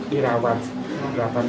dia dirawat delapan belas hari